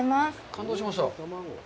感動しました。